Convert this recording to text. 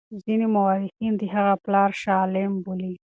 ځیني مورخین د هغه پلار شاه عالم بولي.